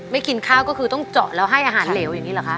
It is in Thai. กินข้าวก็คือต้องเจาะแล้วให้อาหารเหลวอย่างนี้เหรอคะ